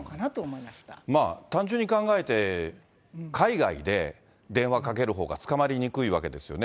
単純に考えて、海外で電話かけるほうが捕まりにくいわけですよね。